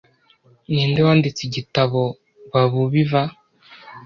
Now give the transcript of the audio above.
Ninde wanditse igitabo Babubiva